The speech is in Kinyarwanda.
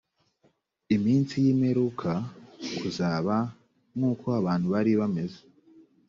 iminsi y imperuka kuzaba nk uko abantu bari bameze